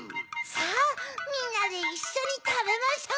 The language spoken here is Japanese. ・さぁみんなでいっしょにたべましょう！